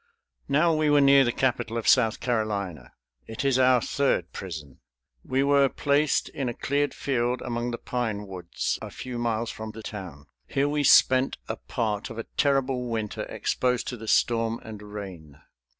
Now we were near the capital of South Carolina. It is our third prison. We were placed in a cleared field among the pine woods, a few miles from the town. Here we spent a part of a terrible winter exposed to the storm and rain.